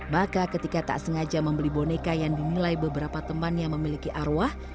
maka ketika tak sengaja membeli boneka yang dinilai beberapa teman yang memiliki arwah